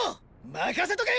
任せとけ！！